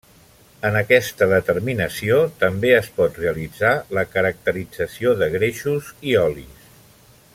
En aquesta determinació també es pot realitzar la caracterització de greixos i olis.